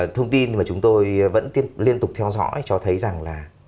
thông tin mà chúng tôi vẫn liên tục theo dõi cho thấy rằng là